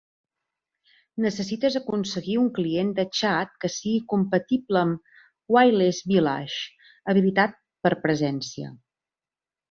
Necessites aconseguir un client de xat que sigui "compatible amb Wireless Village habilitat per presència".